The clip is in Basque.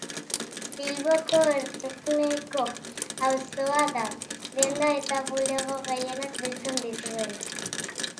Bilboko erdiguneko auzoa da, denda eta bulego gehienak biltzen dituena.